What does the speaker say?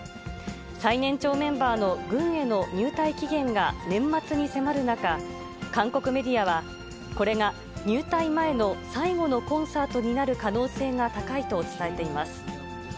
最年長メンバーの軍への入隊期限が年末に迫る中、韓国メディアは、これが入隊前の最後のコンサートになる可能性が高いと伝えています。